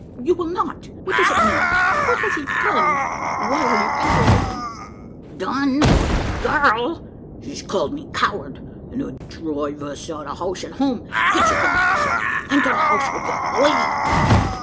you will not? What does it mean? What has he done? Why are you angry with him?" "Done! gurl? He's called me coward; an' 'ud drive us out o' house an' home. Git ye gone, I say! Into the house wi' ye! away!"